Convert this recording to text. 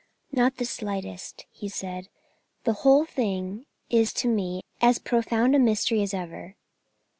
"Not the slightest," he said; "the whole thing is to me as profound a mystery as ever."